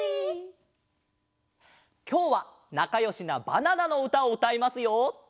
きょうはなかよしなバナナのうたをうたいますよ。